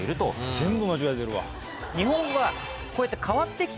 全部間違えてるわ。